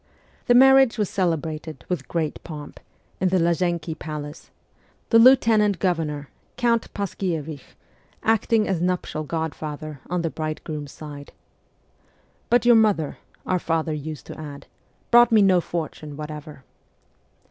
The marriage was celebrated with great pomp, in the Lazienki palace ; the lieutenant governor, Count Paskiewich, acting as nuptial godfather on the bride groom's side. ' But your mother,' our father used to add, ' brought me no fortune whatever.'